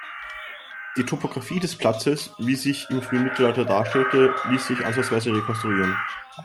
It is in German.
Die Topographie des Platzes, wie sich im frühen Mittelalter darstellte, ließ sich ansatzweise rekonstruieren.